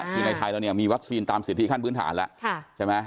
ที่ในไทยแล้วมีวัคซีนตามสิทธิขั้นพื้นฐานแล้วใช่ไหม